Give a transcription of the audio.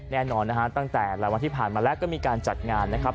แน่นอนนะฮะตั้งแต่หลายวันที่ผ่านมาแล้วก็มีการจัดงานนะครับ